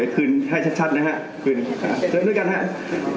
คืนให้ชัดนะครับ